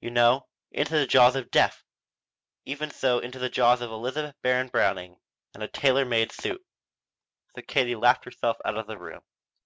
You know into the jaws of death! Even so into the jaws of Elizabeth Barrett Browning and a tailor made suit!" So Katie laughed herself out of the room.